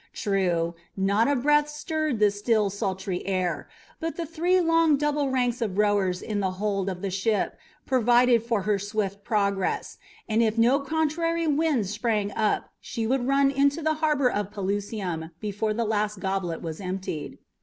True, not a breath stirred the still, sultry air, but the three long double ranks of rowers in the hold of the ship provided for her swift progress, and if no contrary wind sprang up she would run into the harbour of Pelusium before the last goblet was emptied.